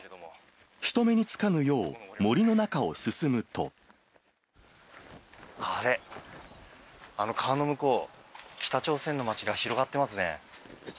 人目につかぬよう、森の中を進むあれ、あの川の向こう、北朝鮮の街が広がってますね。